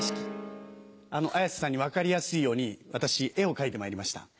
綾瀬さんに分かりやすいように私絵を描いてまいりました。